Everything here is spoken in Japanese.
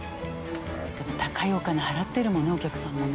でも高いお金払ってるもんねお客さんもね。